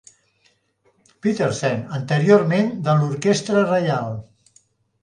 Petersen, anteriorment de l'Orquestra Reial.